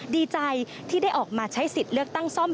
ดีใจที่ได้ออกมาใช้สิทธิ์เลือกตั้งซ่อม